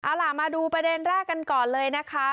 เอาล่ะมาดูประเด็นแรกกันก่อนเลยนะคะ